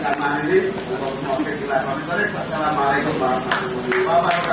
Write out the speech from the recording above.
saya mendengar tak pernah ter mesej